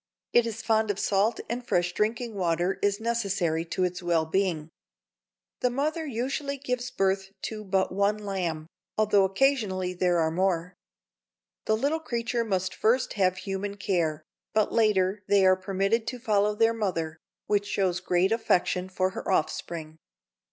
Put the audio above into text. It is fond of salt and fresh drinking water is necessary to its well being." The mother usually gives birth to but one lamb, although occasionally there are more. The little creature must first have human care, but later they are permitted to follow their mother, which shows great affection for her offspring.